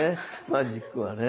マジックはね。